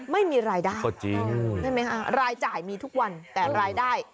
ไม่มีรายได้ก็จริงใช่ไหมคะรายจ่ายมีทุกวันแต่รายได้